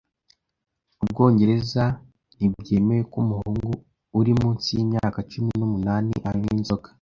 Ubwongereza ntibyemewe ko umuhungu uri munsi yimyaka cumi n'umunani anywa inzoga